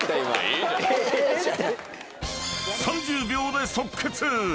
［３０秒で即決！］